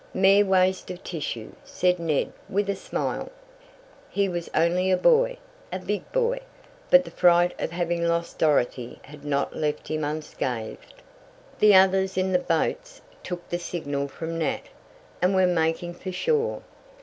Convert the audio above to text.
"Mere waste of tissue," said Ned with a smile. He was only a boy a big boy, but the fright of having lost Dorothy had not left him unscathed. The others in the boats took the signal from Nat, and were making for shore.